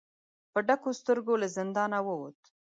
په ډکو سترګو له زندانه ووت.